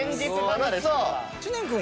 知念君は？